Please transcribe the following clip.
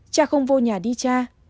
cha không vô nhà đi cha